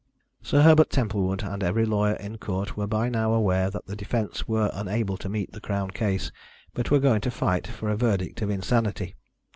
Sir Herbert Templewood and every lawyer in court were by now aware that the defence were unable to meet the Crown case, but were going to fight for a verdict of insanity.